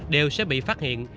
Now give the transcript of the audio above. đều sẽ bị phát hiện